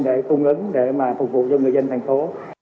để cung ứng để mà phục vụ cho người dân thành phố